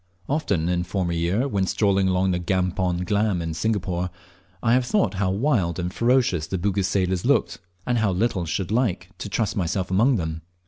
Often in former year, when strolling along the Campong Glam in Singapore, I have thought how wild and ferocious the Bugis sailors looked, and how little should like to trust myself among them.